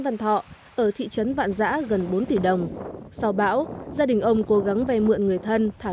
văn thọ ở thị trấn vạn giã gần bốn tỷ đồng sau bão gia đình ông cố gắng vay mượn người thân thả